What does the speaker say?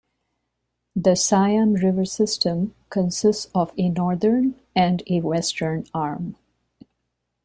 The "Siam River System" consists of a northern and a western arm.